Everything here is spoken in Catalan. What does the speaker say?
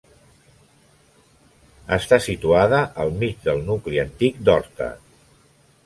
Està situada al mig del nucli antic d'Horta.